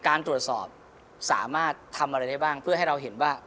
การตรวจสอบสามารถทำอะไรได้บ้างเพื่อให้เราเห็นว่า